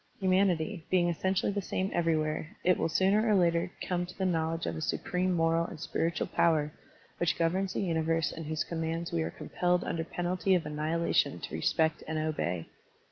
Humanity, being essentially the same everywhere, it will sooner or later come to the knowledge of a supreme moral and spiritual power which governs the universe and whose commands we are com pelled under penalty of annihilation to respect and obey.